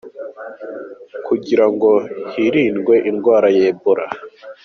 Kugira ngo hirindwe indwara ya Ebola.